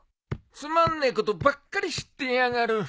つまんねえことばっかり知ってやがる。